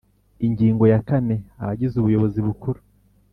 Ingingo ya kane Abagize Ubuyobozi Bukuru